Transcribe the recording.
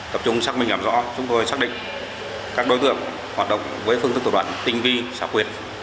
tập trung xác minh làm rõ chúng tôi xác định các đối tượng hoạt động với phương tức tổ đoạn tinh vi xã quyệt